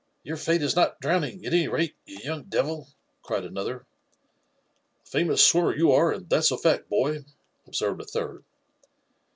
Your fate is not drowning, at any rate, you young devil/' cried another. '' A famous swinuner you are, and that's a fact, boy," observed a third.